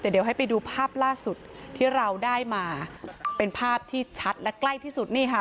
แต่เดี๋ยวให้ไปดูภาพล่าสุดที่เราได้มาเป็นภาพที่ชัดและใกล้ที่สุดนี่ค่ะ